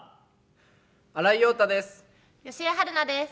新井庸太です。